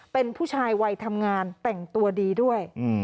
เป็นผู้ชายวัยทำงานแต่งตัวดีด้วย